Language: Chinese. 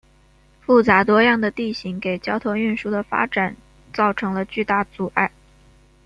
复杂多样的地形给交通运输的发展造成了巨大阻碍。